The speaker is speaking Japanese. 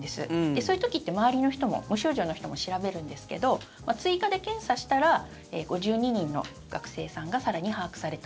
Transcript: そういう時って周りの人も無症状の人も調べるんですけど追加で検査したら５２人の学生さんが更に把握された。